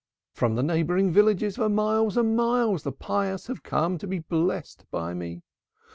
From the neighboring villages for miles and miles the pious have come to be blessed by me.